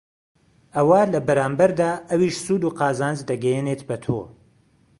ئەوا لە بەرامبەردا ئەویش سوود و قازانج دەگەیەنێت بەتۆ